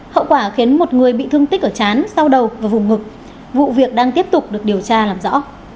hậu quả khiến một người bị thương tích ở chán sau đầu và vùng ngực vụ việc đang tiếp tục được điều tra làm rõ